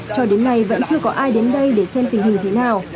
cho đến nay vẫn chưa có ai đến đây để xem tình hình thế nào